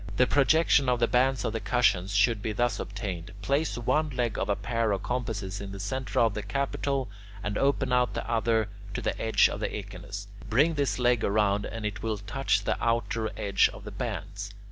The projection of the bands of the cushions should be thus obtained: place one leg of a pair of compasses in the centre of the capital and open out the other to the edge of the echinus; bring this leg round and it will touch the outer edge of the bands.